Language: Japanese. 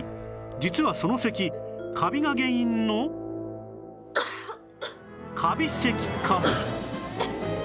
実はその咳カビが原因のカビ咳かも